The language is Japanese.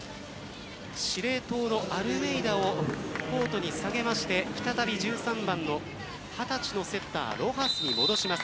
司令塔のアルメイダをコートに下げまして再び１３番の二十歳のセッターロハスに戻します。